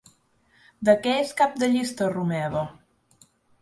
De què és cap de llista Romeva?